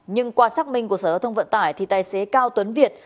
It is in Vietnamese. nhưng qua xác minh của sở giao thông vận tải thì tài xế cao tuấn việt